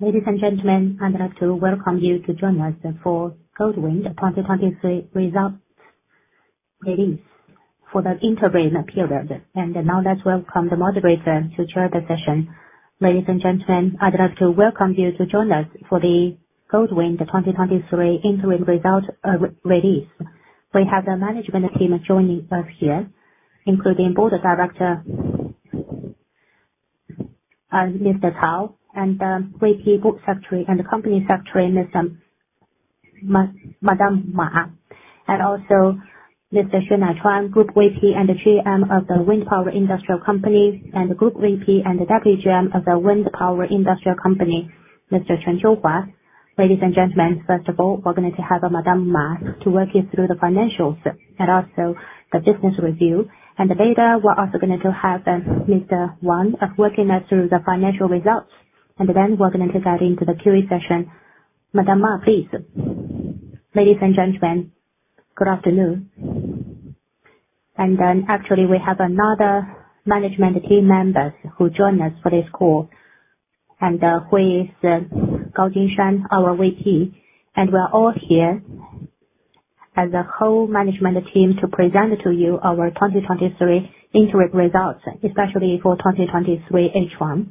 Ladies and gentlemen, I'd like to welcome you to join us for Goldwind 2023 results release for the interim period. Now let's welcome the moderator to chair the session. Ladies and gentlemen, I'd like to welcome you to join us for the Goldwind 2023 interim results re-release. We have the management team joining us here, including Board of Director Cao Zhigang, and VP, Group Secretary, and Company Secretary Mr. Ma Jinru, and also Mr. Xue Naichuan, Group VP and GM of the Wind Power Industrial Company, and Group VP and Deputy GM of the Wind Power Industrial Company, Mr. Chen Qiuhua. Ladies and gentlemen, first of all, we're going to have Ma Jinru to walk you through the financials and also the business review. Later, we're also going to have Wang Hongyan walking us through the financial results, and then we're going to get into the Q&A session. Ma Jinru, please. Ladies and gentlemen, good afternoon. Actually, we have another management team members who join us for this call, who is Gao Jinshan, our VP, and we are all here as a whole management team to present to you our 2023 interim results, especially for 2023 H1.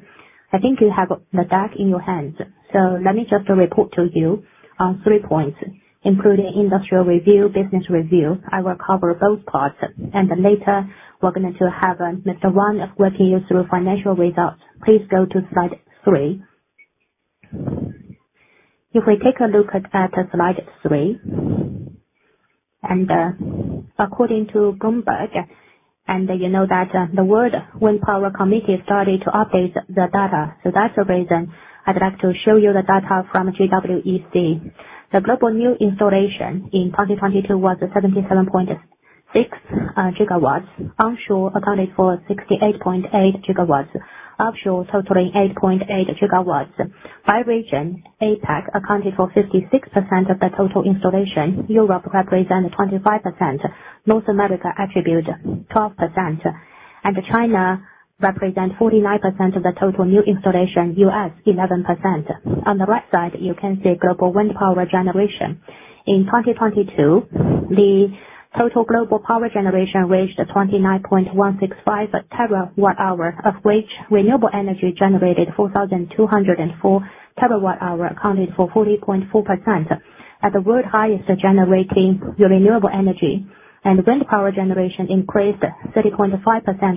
I think you have the deck in your hands. Let me just report to you on three points, including industrial review, business review. I will cover both parts, and then later, we're going to have Wang Hongyan walking you through financial results. Please go to slide three. If we take a look at, at slide three, and, according to Bloomberg, and you know that, the Global Wind Energy Council started to update the data, so that's the reason I'd like to show you the data from GWEC. The global new installation in 2022 was 77.6 GW. Onshore accounted for 68.8 GW, offshore totaling 8.8 GW. By region, APAC accounted for 56% of the total installation, Europe represent 25%, North America attribute 12%, and China represent 49% of the total new installation, U.S., 11%. On the right side, you can see global wind power generation. In 2022, the total global power generation reached 29.165 TWh, of which renewable energy generated 4,204 TWh, accounted for 40.4%. At the world highest generating renewable energy and wind power generation increased 30.5%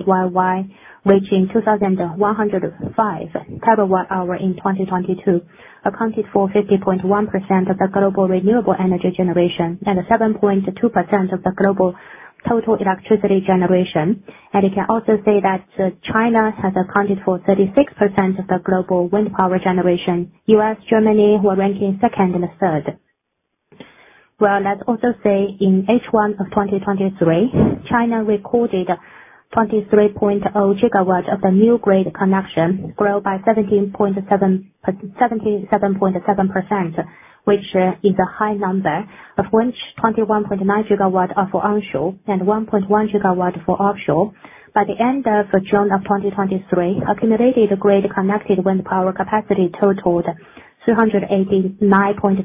YoY, reaching 2,105 TWh in 2022, accounted for 50.1% of the global renewable energy generation and 7.2% of the global total electricity generation. You can also say that China has accounted for 36% of the global wind power generation. U.S., Germany, who are ranking second and third. Well, let's also say in H1 of 2023, China recorded 23.0 GW of the new grid connection, grow by 77.7%, which is a high number, of which 21.9 GW are for onshore and 1.1 GW for offshore. By the end of June of 2023, accumulated grid-connected wind power capacity totaled 389.2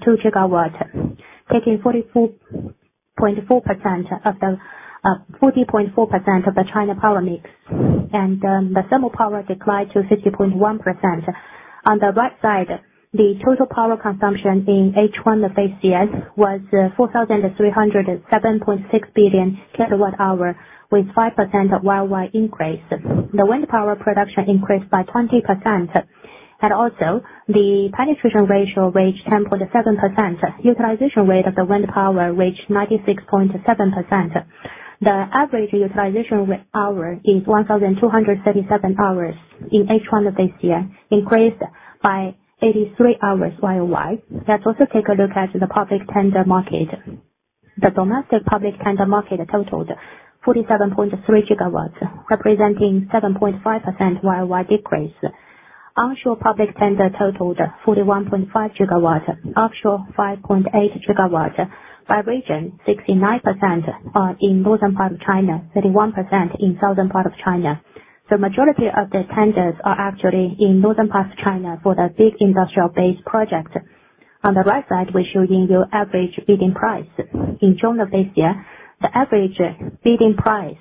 GW, taking 44.4% of the 40.4% of the China power mix, the thermal power declined to 50.1%. On the right side, the total power consumption in H1 of this year was 4,307.6 billion kWh, with 5% YoY increase. The wind power production increased by 20%, and also, the penetration ratio reached 10.7%. Utilization rate of the wind power reached 96.7%. The average utilization hour is 1,237 hours in H1 of this year, increased by 83 hours YoY. Let's also take a look at the public tender market. The domestic public tender market totaled 47.3 GW, representing 7.5% YoY decrease. Onshore public tender totaled 41.5 GW, offshore, 5.8 GW. By region, 69% are in northern part of China, 31% in southern part of China. The majority of the tenders are actually in northern parts of China for the big industrial base project. On the right side, we're showing you average bidding price. In June of this year, the average bidding price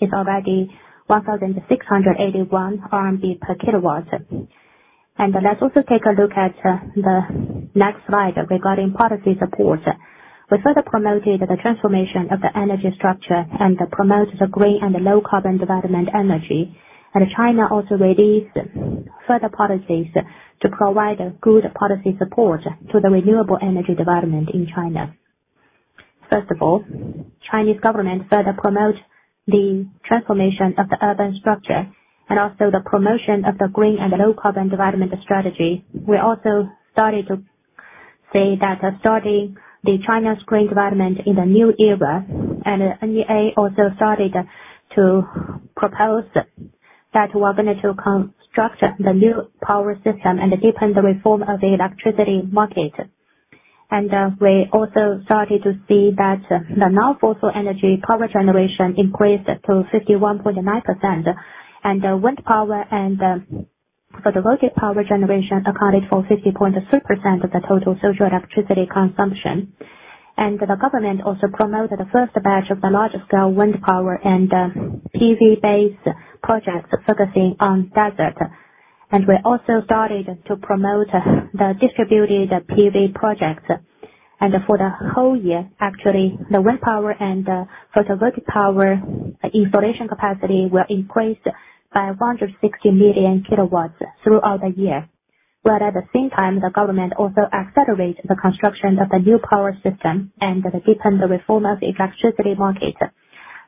is already 1,681 RMB per kilowatt. Let's also take a look at the next slide regarding policy support. We further promoted the transformation of the energy structure and promoted the green and low carbon development energy. China also released further policies to provide a good policy support to the renewable energy development in China. First of all, Chinese government further promote the transformation of the urban structure and also the promotion of the green and low carbon development strategy. We also started to say that, starting the China's green development in the new era, NEA also started to propose that we're going to construct the new power system and deepen the reform of the electricity market. We also started to see that, the non-fossil energy power generation increased to 51.9%. Wind power and photovoltaic power generation accounted for 50.3% of the total social electricity consumption. The government also promoted the first batch of the large-scale wind power and PV-based projects focusing on desert. We also started to promote the distributed PV projects. For the whole year, actually, the wind power and the photovoltaic power installation capacity were increased by 160 million kilowatts throughout the year. At the same time, the government also accelerates the construction of the new power system and to deepen the reform of the electricity market.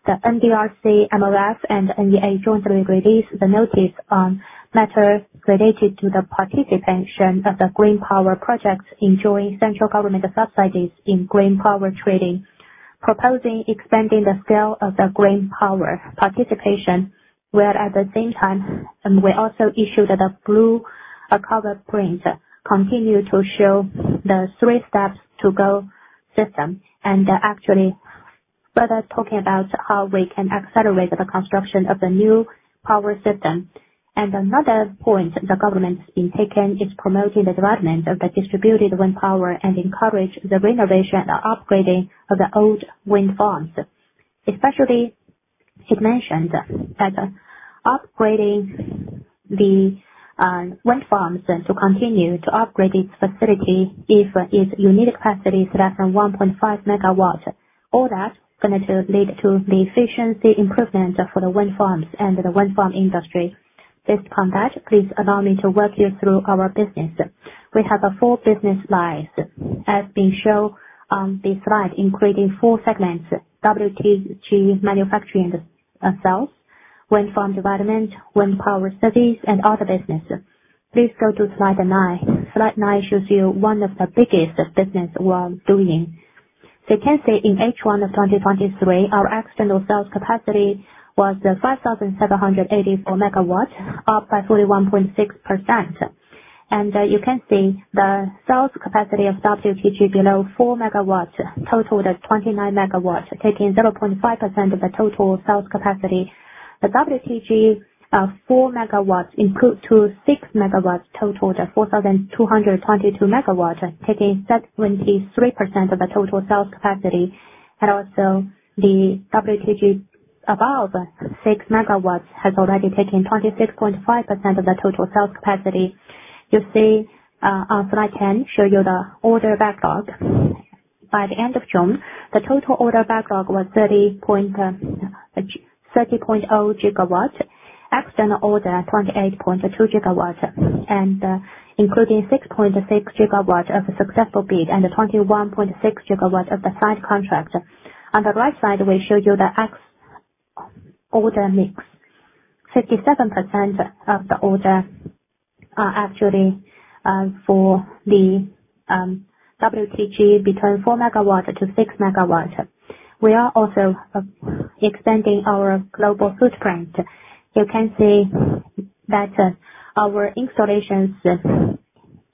The NDRC, MIIT, and NEA jointly released the notice on matters related to the participation of the green power projects, enjoying central government subsidies in Green Power Trading, proposing expanding the scale of the green power participation, where at the same time, we also issued the Blue Carbon Print, continue to show the three steps to go system. Actually, further talking about how we can accelerate the construction of the new power system. Another point the government's been taking is promoting the development of the distributed wind power and encourage the renovation or upgrading of the old wind farms. Especially, it mentions that upgrading the wind farms and to continue to upgrade its facility if its unique capacity is less than 1.5 MW. All that going to lead to the efficiency improvement for the wind farms and the wind farm industry. Based on that, please allow me to walk you through our business. We have a four business lines, as being shown on this slide, including four segments, WTG manufacturing and sales, wind farm development, wind power service, and other business. Please go to slide nine. Slide nine shows you one of the biggest business we are doing. You can see in H1 of 2023, our external sales capacity was 5,784 MW, up by 41.6%. You can see the sales capacity of WTG below 4 MW totaled at 29 MW, taking 0.5% of the total sales capacity. The WTG, 4 MW include to 6 MW totaled at 4,222 MW, taking 73% of the total sales capacity. The WTG above 6 MW has already taken 26.5% of the total sales capacity. You see, on slide 10, show you the order backlog. By the end of June, the total order backlog was 30.0 GW, external order 28.2 GW, including 6.6 GW of successful bid and 21.6 GW of the signed contract. On the right side, we show you the external order mix. 57% of the order are actually for the WTG between 4 MW to 6 MW. We are also extending our global footprint. You can see that our installations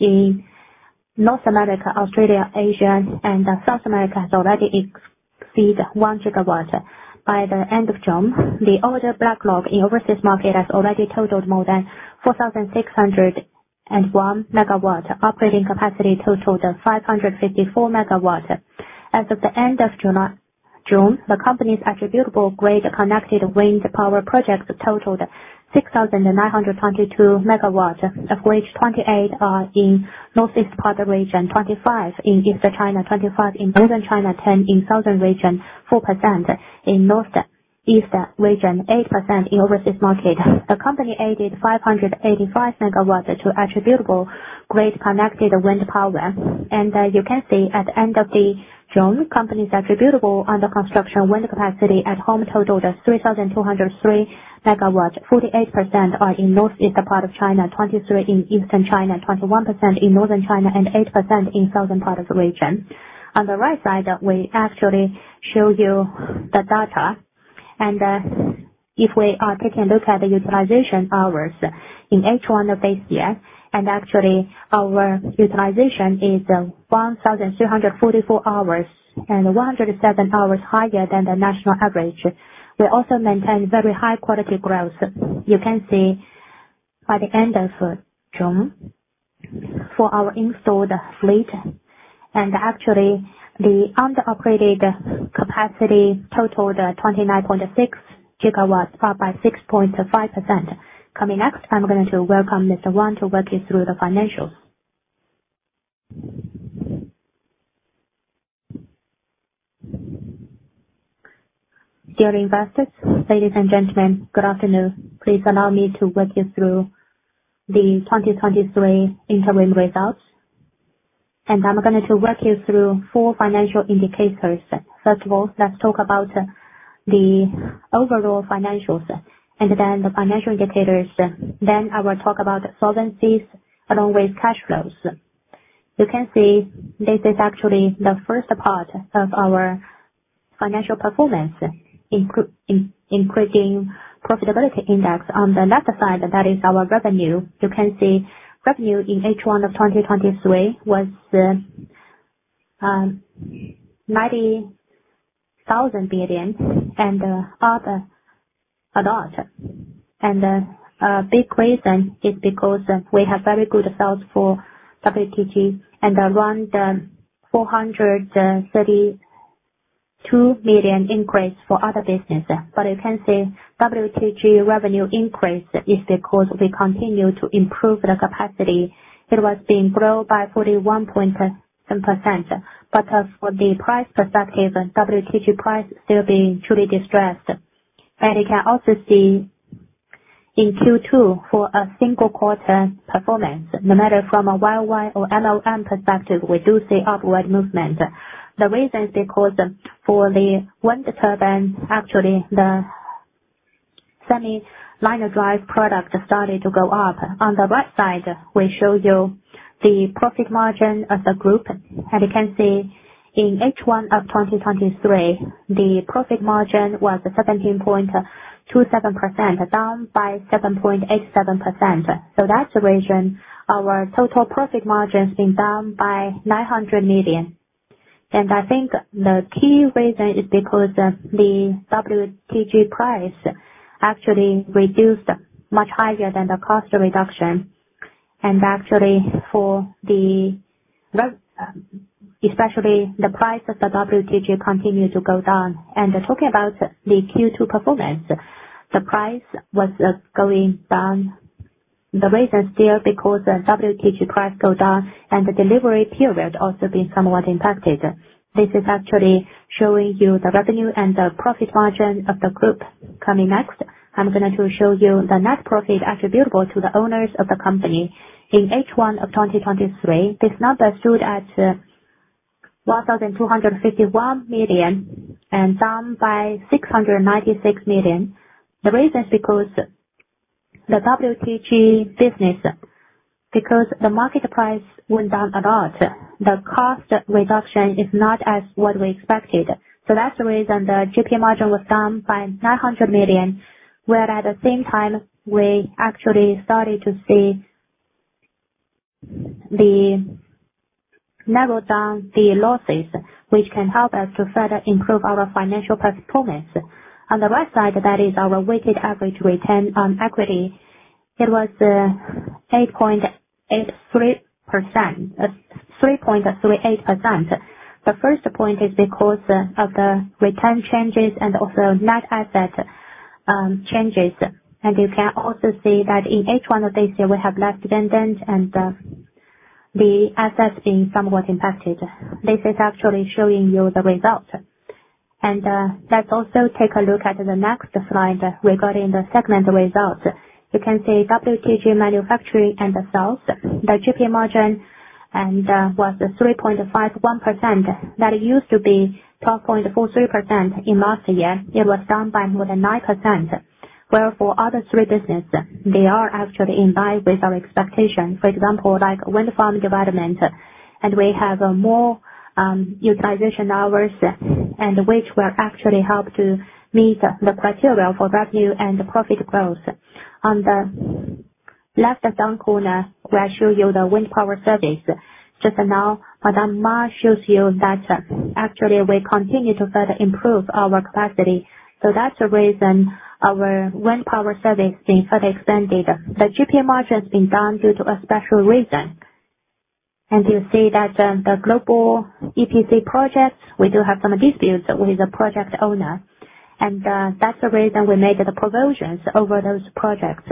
in North America, Australia, Asia, and South America has already exceed 1 GW. By the end of June, the order backlog in overseas market has already totaled more than 4,601 MW, operating capacity totaled 554 MW. As of the end of June, June, the company's attributable grid-connected wind power projects totaled 6,922 MW, of which 28 are in northeast part region, 25 in Eastern China, 25 in Northern China, 10 in southern region, 4% in northeast region, 8% in overseas market. The company added 585 MW to attributable grid-connected wind power. As you can see, at the end of the June, company's attributable under construction wind capacity at home totaled at 3,203 MW. 48% are in northeast part of China, 23 in Eastern China, 21% in Northern China, and 8% in southern part of the region. On the right side, we actually show you the data. If we are taking a look at the utilization hours in H1 of this year, actually our utilization is 1,244 hours, and 107 hours higher than the national average. We also maintain very high quality growth. You can see by the end of June, for our installed fleet, actually the under-operated capacity totaled 29.6 GW, up by 6.5%. Coming next, I'm going to welcome Wang Hongyan to walk you through the financials. Dear investors, ladies and gentlemen, good afternoon. Please allow me to walk you through the 2023 interim results. I'm going to walk you through four financial indicators. First of all, let's talk about the overall financials, and then the financial indicators. Then I will talk about solvency along with cash flows. You can see this is actually the first part of our financial performance, increasing profitability index. On the left side, that is our revenue. You can see revenue in H1 of 2023 was 90,000 billion and up a lot. A big reason is because we have very good sales for WTG and around 432 million increase for other business. You can see WTG revenue increase is because we continue to improve the capacity. It was being grown by 41%, but as for the price perspective, WTG price still being truly distressed. You can also see in Q2 for a single quarter performance, no matter from a YoY or LLM perspective, we do see upward movement. The reason is because, for the wind turbines, actually the semi-direct drive product started to go up. On the right side, we show you the profit margin as a group. You can see in H1 of 2023, the profit margin was 17.27%, down by 7.87%. That's the reason our total profit margin has been down by 900 million. I think the key reason is because the WTG price actually reduced much higher than the cost reduction. For the low, especially the price of the WTG continued to go down. Talking about the Q2 performance, the price was going down. The reason still because the WTG price go down and the delivery period also been somewhat impacted. This is actually showing you the revenue and the profit margin of the group. Coming next, I'm going to show you the net profit attributable to the owners of the company. In H1 of 2023, this number stood at 1,251 million and down by 696 million. The reason is because the WTG business, because the market price went down a lot, the cost reduction is not as what we expected. That's the reason the GP margin was down by 900 million, where at the same time, we actually started to see narrow down the losses, which can help us to further improve our financial performance. On the right side, that is our weighted average return on equity. It was 3.38%. The first point is because of the return changes and also net asset changes. You can also see that in H1 of this year, we have less dividend and, the assets being somewhat impacted. This is actually showing you the results. Let's also take a look at the next slide regarding the segment results. You can see WTG manufacturing and the sales, the GP margin, and, was 3.51%. That used to be 12.43% in last year. It was down by more than 9%. Where for other three business, they are actually in line with our expectation. For example, like wind farm development, and we have more utilization hours, and which will actually help to meet the criteria for revenue and profit growth. On the left down corner, we show you the wind power service. Just now, Ma Jinru shows you that actually, we continue to further improve our capacity. That's the reason our wind power service is further extended. The GP margin has been down due to a special reason. You see that, the global EPC projects, we do have some disputes with the project owner, and that's the reason we made the provisions over those projects.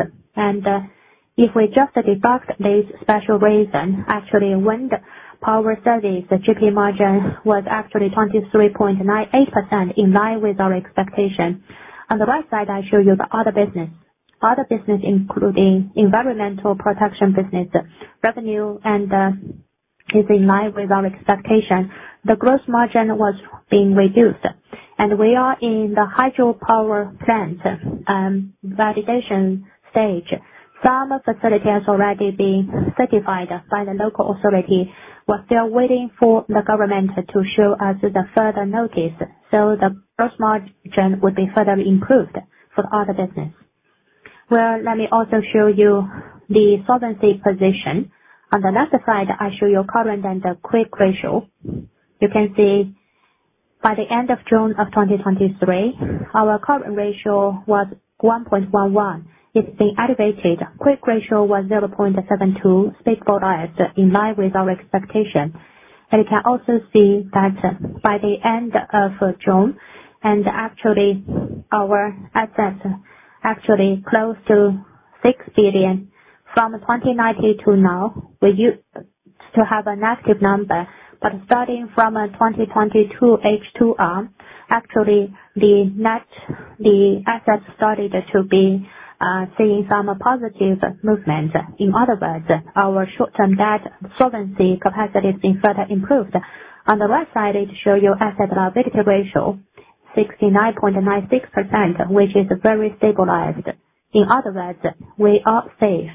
If we just deduct this special reason, actually, wind power service, the GP margin was actually 23.98%, in line with our expectation. On the right side, I show you the other business. Other business, including environmental protection business, revenue, and is in line with our expectation. The growth margin was being reduced, and we are in the hydropower plant validation stage. Some facilities already being certified by the local authority. We're still waiting for the government to show us the further notice, the gross profit margin would be further improved for the other business. Well, let me also show you the solvency position. On the left side, I show you Current and Quick Ratio. You can see by the end of June of 2023, our Current Ratio was 1.11. It's been elevated. Quick Ratio was 0.72, stabilized in line with our expectation. You can also see that by the end of June, actually, our assets actually close to six billion. From 2019 to now, we used to have a negative number, starting from 2022 H2R, actually, the net, the assets started to be seeing some positive movement. In other words, our short-term debt solvency capacity has been further improved. On the right side, it show you Asset-Liability Ratio, 69.96%, which is very stabilized. In other words, we are safe.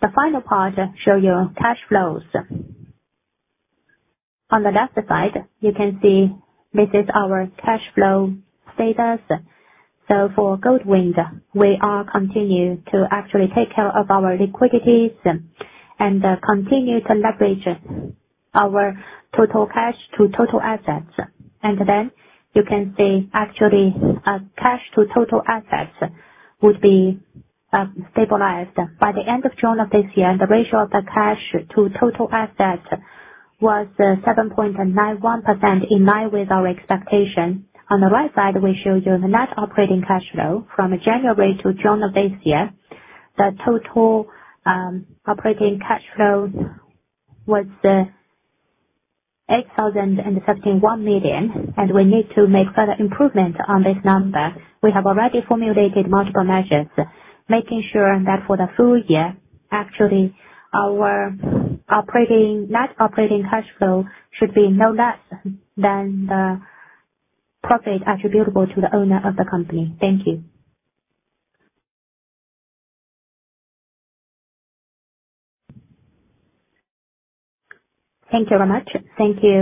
The final part show you cash flows. On the left side, you can see this is our cash flow status. For Goldwind, we are continue to actually take care of our liquidities and continue to leverage our total cash to total assets. Then you can see actually, cash to total assets would be stabilized. By the end of June of this year, the ratio of the cash to total assets was 7.91%, in line with our expectation. On the right side, we show you the Net Operating Cash Flow from January to June of this year. The total operating cash flow was 8,071 million, and we need to make further improvement on this number. We have already formulated multiple measures, making sure that for the full year, actually, our net operating cash flow should be no less than the profit attributable to the owner of the company. Thank you. Thank you very much. Thank you.